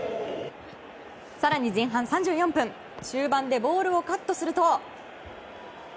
更に前半３４分中盤でボールをカットすると。